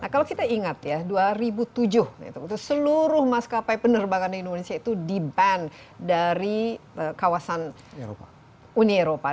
kalau kita ingat ya dua ribu tujuh itu seluruh maskapai penerbangan di indonesia itu di ban dari kawasan uni eropa